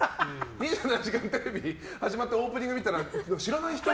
「２７時間テレビ」始まってオープニング見たら知らない人が。